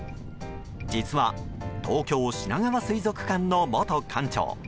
実は東京・しながわ水族館の元館長。